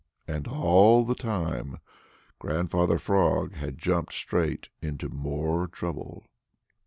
And all the time, Grandfather Frog had jumped straight into more trouble.